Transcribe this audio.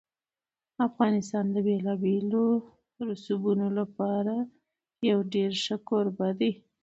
افغانستان د بېلابېلو رسوبونو لپاره یو ډېر ښه کوربه دی.